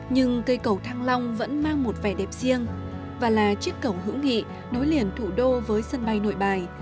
nhưng cây cầu thăng long vẫn mang một vẻ đẹp riêng và là chiếc cầu hữu nghị nối liền thủ đô với sân bay nội bài